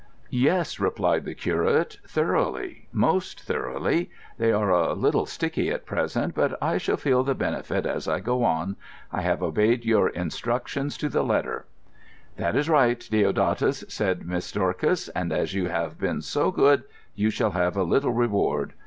"Yes," replied the curate. "Thoroughly—most thoroughly. They are a little sticky at present, but I shall feel the benefit as I go on. I have obeyed your instructions to the letter." "That is right, Deodatus," said Miss Dorcas; "and as you have been so good, you shall have a little reward."